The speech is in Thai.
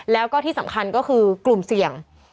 แล้วก็ที่สำคัญก็คือกลุ่มเสี่ยง